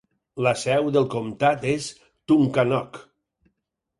La seu del comtat és Tunkhannock.